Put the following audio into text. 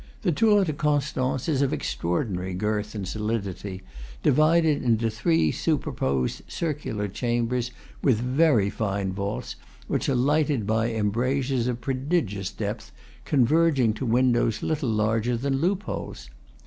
The Tour de Con stance is of extraordinary girth and solidity, divided into three superposed circular chambers, with very fine vaults, which are lighted by embrasures of prodigious depth, converging to windows little larger than loop holes.